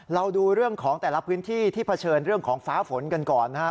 เราดูเรื่องของแต่ละพื้นที่ที่เผชิญเรื่องของฟ้าฝนกันก่อนนะครับ